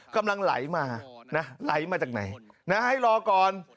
กำลังไหลมานะไหลมาจากไหนนะให้รอก่อน